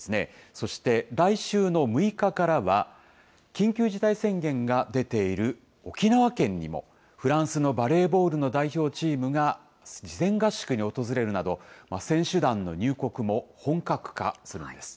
そして来週の６日からは、緊急事態宣言が出ている沖縄県にも、フランスのバレーボールの代表チームが、事前合宿に訪れるなど、選手団の入国も本格化するんです。